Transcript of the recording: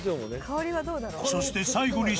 ［そして最後に］